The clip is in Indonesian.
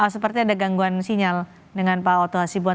seperti ada gangguan sinyal dengan pak oto hasibuan